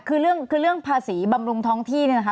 คือเรื่องคือเรื่องภาษีบำรุงท้องที่เนี่ยนะคะ